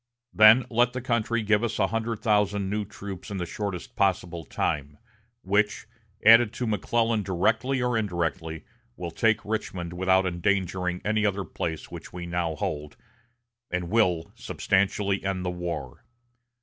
Then let the country give us a hundred thousand new troops in the shortest possible time, which, added to McClellan directly or indirectly, will take Richmond without endangering any other place which we now hold, and will substantially end the war.